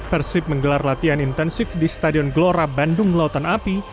persib menggelar latihan intensif di stadion gelora bandung lautan api